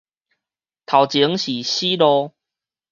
頭前是死路